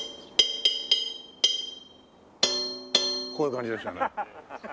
こういう感じですね。